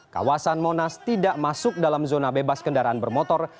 kawasan monas tidak masuk dalam zona bebas kendaraan bermotor